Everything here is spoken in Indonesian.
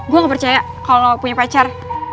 gue gak percaya kalo lu punya pacar